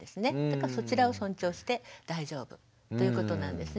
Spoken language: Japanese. だからそちらを尊重して大丈夫ということなんですね。